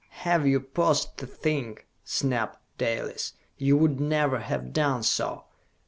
"Had you paused to think," snapped Dalis, "you would never have done so!